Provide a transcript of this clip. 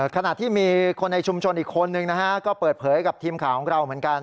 ขณะที่มีคนในชุมชนอีกคนนึงนะฮะก็เปิดเผยกับทีมข่าวของเราเหมือนกัน